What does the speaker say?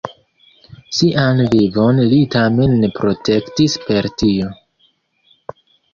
Sian vivon li tamen ne protektis per tio.